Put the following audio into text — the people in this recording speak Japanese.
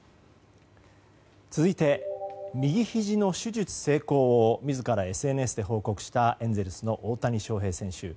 続いて右ひじの手術成功を自らＳＮＳで報告したエンゼルスの大谷翔平選手。